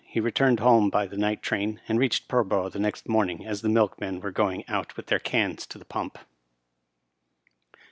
He returned home by the night tram, and reached Pullborough the next morning as the milkmen were going out with their cans to the pump.